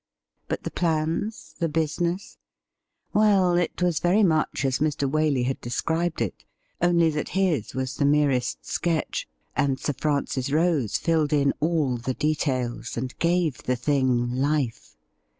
But the plans — ^the business ? Well, it was very much as Mr. Waley had described it, only that his was the merest sketch, and Sir Francis Rose filled in all the details and gave the thing life.